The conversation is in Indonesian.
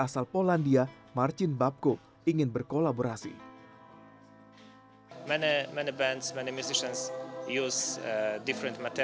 jatiwangi menjadi sebuah tempat